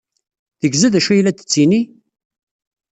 Tegza d acu ay la d-tettini?